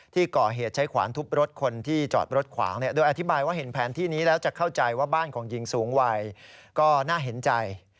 ที่ก่อเหตุใช้ขวานทุบรถคนที่จอดรถขวางโดยอธิบายว่าเห็นแผนที่นี้แล้วจะเข้าใจว่าบ้านของหญิงสูงวัยก็น่าเห็นใจ